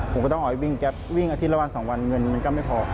ผมก็ต้องออกไปวิ่งแก๊ปวิ่งอาทิตย์ละวัน๒วันเงินมันก็ไม่พอ